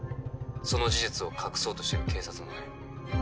その事実を隠そうとしてる警察もね